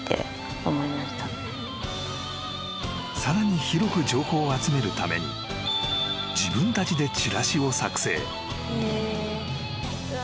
［さらに広く情報を集めるために自分たちで］